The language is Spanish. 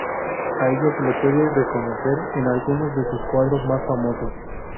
A ella se le puede reconocer en algunos de sus cuadros más famosos.